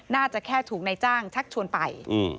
น่าจะแค่ถูกนายจ้างชักชวนไป